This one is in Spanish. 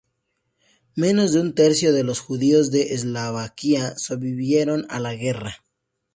Menos de un tercio de los judíos de Eslovaquia sobrevivieron a la guerra.